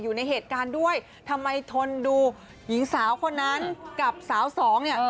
อยู่ในเหตุการณ์ด้วยทำไมทนดูหญิงสาวคนนั้นกับสาวสองเนี่ย